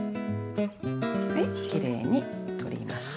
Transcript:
はいきれいに取りました。